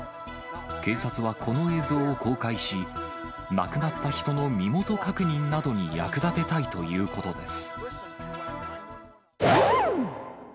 警察はこの映像を公開し、亡くなった人の身元確認などに役立てたいということです。